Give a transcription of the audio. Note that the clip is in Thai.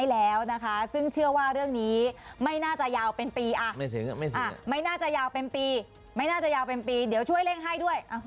แล้วนะคะซึ่งเชื่อว่าเรื่องนี้ไม่น่าจะยาวเป็นปีไม่น่าจะยาวเป็นปีไม่น่าจะยาวเป็นปีเดี๋ยวช่วยเร่งให้ด้วย